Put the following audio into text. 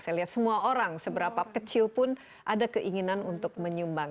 saya lihat semua orang seberapa kecil pun ada keinginan untuk menyumbang